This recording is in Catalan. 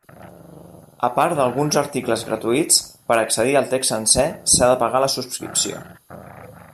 A part d'alguns articles gratuïts, per accedir al text sencer s'ha de pagar la subscripció.